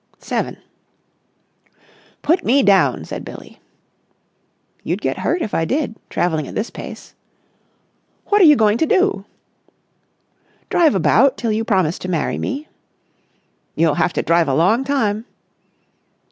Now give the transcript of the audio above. § 7 "Put me down," said Billie. "You'd get hurt if I did, travelling at this pace." "What are you going to do?" "Drive about till you promise to marry me." "You'll have to drive a long time."